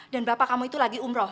dan bapak kamu itu lagi umroh